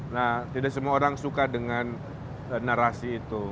nah tidak semua orang suka dengan narasi itu